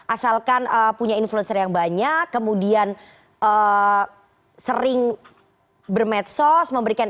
asalkan punya influencer yang banyak kemudian sering bermedsos memberikan